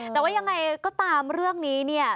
แต่ว่ายังไงก็ตามเรื่องนี้เนี่ย